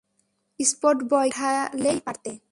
Spot boy কে পাঠালেই পারতে।